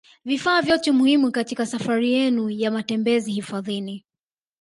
Vifaa vyote muhimu katika safari yenu ya matembezi hifadhini